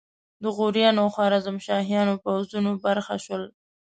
د غوریانو او خوارزمشاهیانو پوځونو برخه شول.